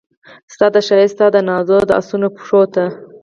ستا د ښایست ستا دنازونو د اسونو پښو ته